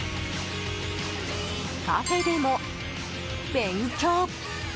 カフェでも勉強。